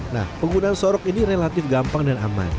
nah penggunaan sorok ini relatif gampang dan aman